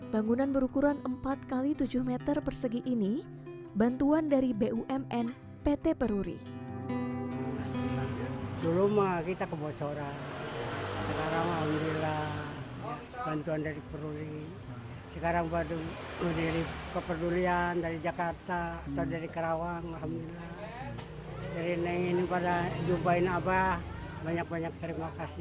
bangunan berukuran empat x tujuh meter persegi ini bantuan dari bumn pt peruri